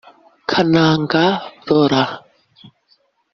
Kananga Laurent